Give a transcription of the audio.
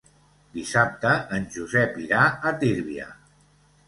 Dissabte en Josep irà a Tírvia.